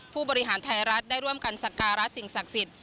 ผู้บริหารไทยรัฐได้ร่วมกันสักการะสิ่งศักดิ์สิทธิ